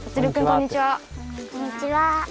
こんにちは。